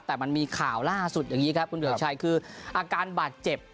แต่มันมีข่าวล่าสุดอย่างนี้ครับคุณเรืองชัยคืออาการบาดเจ็บ